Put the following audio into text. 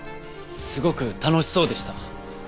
すごく楽しそうでした。